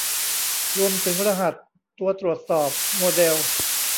รวมถึงรหัส ตัวตรวจสอบ โมเดล